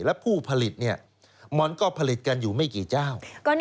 และผู้ผลิตมันก็ผลิตกันอยู่ไม่กี่เจ้า